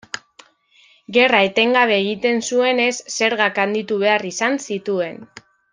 Gerra etengabe egiten zuenez, zergak handitu behar izan zituen.